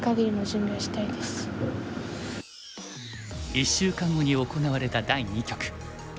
１週間後に行われた第二局。